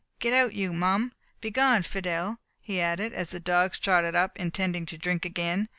Get out you Mum! begone Fidelle!" he added, as the dogs trotted up, intending to drink again.